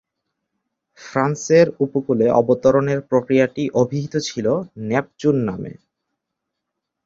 ফ্রান্সের উপকূলে অবতরণের প্রক্রিয়াটি অভিহিত ছিল "নেপচুন" নামে।